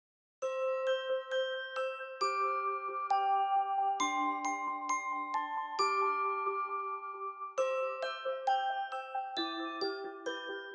เพลง